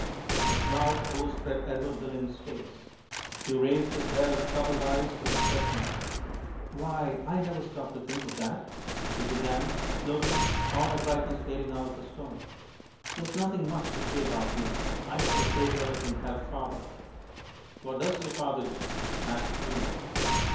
A cloud overspread Edward Billings's face. He raised a pair of troubled eyes to his questioner. "Why, I never stopped to think of that," he began, slowly, all the brightness fading out of his tone. "There's nothing much to say about me. I sell papers and help father " "What does your father do?" asked Junius.